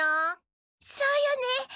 そうよね。